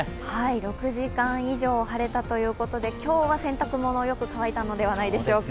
６時間以上晴れたということで、今日は洗濯物、よく乾いたのではないでしょうか。